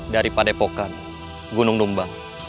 dari padepokan gunung numbang